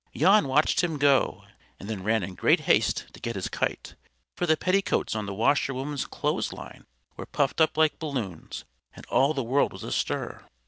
Jan watched him go, and then ran in great haste to get his kite; for the petticoats on the Washerwoman's clothesline were puffed up like balloons, and all the world was astir.